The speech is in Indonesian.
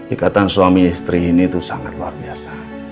ikatan suami istri ini itu sangat luar biasa